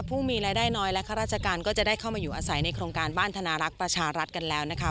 ผู้มีรายได้น้อยและข้าราชการก็จะได้เข้ามาอยู่อาศัยในโครงการบ้านธนารักษ์ประชารัฐกันแล้วนะคะ